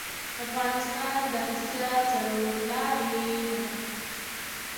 افغانستان د اسیا څلور لارې ده